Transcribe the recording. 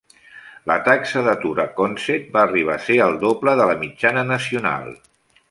La taxa d'atur a Consett va arribar a ser el doble de la mitjana nacional.